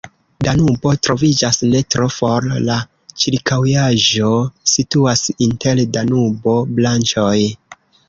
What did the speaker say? Danubo troviĝas ne tro for, la ĉirkaŭaĵo situas inter Danubo-branĉoj.